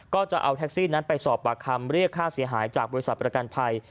ก็จะเอาแท็กซี่นั้นไปสอบปากคำเรียกค่าเสียหายจากบริษัทประกันภัย